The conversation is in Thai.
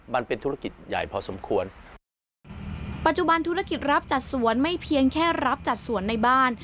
มันเป็นธุรกิจใหญ่พอสมควรปัจจุบันธุรกิจรับจัดสวนไม่เพียงแค่รับจัดสวนในบ้าน